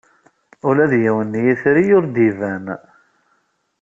Ula d yiwen n yitri ur d-iban.